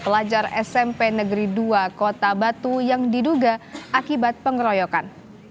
pelajar smp negeri dua kota batu yang diduga akibat pengeroyokan